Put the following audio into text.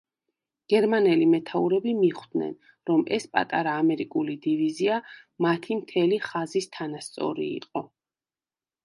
გერმანელი მეთაურები მიხვდნენ, რომ ეს პატარა ამერიკული დივიზია მათი მთელი ხაზის თანასწორი იყო.